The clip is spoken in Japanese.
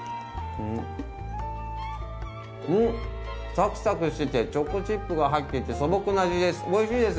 サクサクしててチョコチップが入っていて素朴な味です。